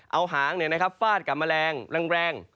เอาหางฟาดกับแมลงแรง